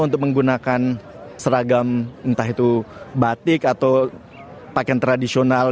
untuk menggunakan seragam entah itu batik atau pakaian tradisional